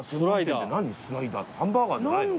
ハンバーガーじゃないの？